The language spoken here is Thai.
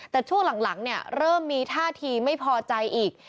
แต่ช่วงหลังเนี่ยเริ่มมีท่าทีไม่พอใจอีก